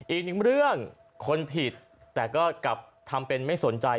อีกหนึ่งเรื่องคนผิดแต่ก็กลับทำเป็นไม่สนใจ